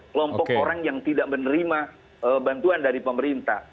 kelompok orang yang tidak menerima bantuan dari pemerintah